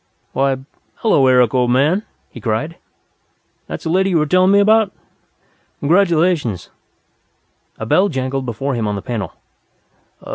"Why, hello, Eric, old man!" he cried. "That's the lady you were telling me about? Congratulations!" A bell jangled before him on the panel.